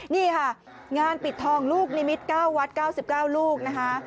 นี่ค่ะงานปิดทองลูกนิมิตร๙วัด๙๙ลูกนะคะ